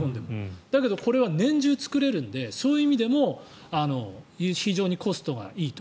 だけどこれは年中作れるのでそういう意味でも非常にコストがいいと。